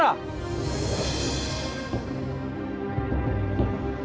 ya jadi kayak gitu sih